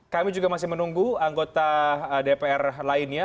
kami juga masih menunggu anggota dpr lainnya